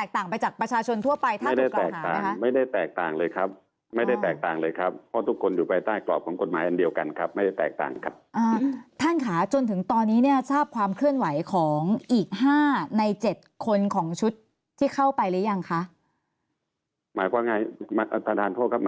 กฎหมายอันเดียวกันครับไม่แตกต่างครับ